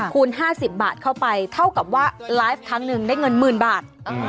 คูณ๕๐บาทเข้าไปเท่ากับว่าไลฟ์ครั้งหนึ่งได้เงินหมื่นบาท